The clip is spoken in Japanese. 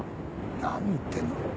何言ってんの？